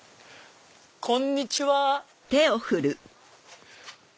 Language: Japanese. こんにちは！